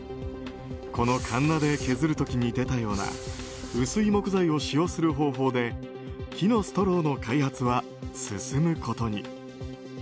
このカンナで削る時に出たような薄い木材を使用する方法で木のストローの開発は進むことに。